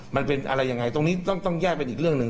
มันเป็นอะไรยังไงตรงนี้ต้องแยกเป็นอีกเรื่องหนึ่ง